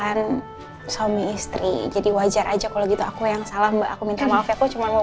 bukan suami istri jadi wajar aja kalau gitu aku yang salah mbak aku minta maaf ya aku cuma mau